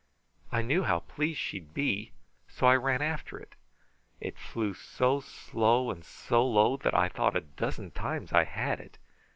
I knew how pleased she'd be, so I ran after it. It flew so slow and so low that I thought a dozen times I had it.